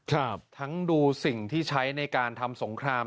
ครับทั้งดูสิ่งที่ใช้ในการทำสงคราม